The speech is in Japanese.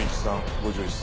５１歳。